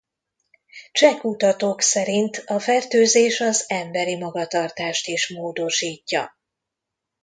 Cseh kutatók szerint a fertőzés az emberi magatartást is módosítja.